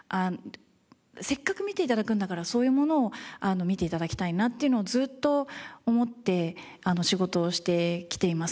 せっかく見て頂くんだからそういうものを見て頂きたいなっていうのをずっと思って仕事をしてきています。